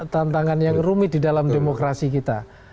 tantangan yang rumit di dalam demokrasi kita